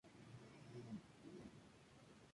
Está formado por el Barrio de Arriba y el Barrio de Abajo.